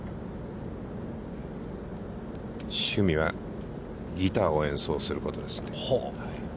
趣味はギターを演奏することです。